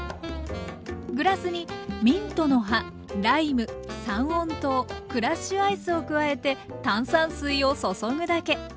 グラスにミントの葉ライム三温糖クラッシュアイスを加えて炭酸水を注ぐだけ。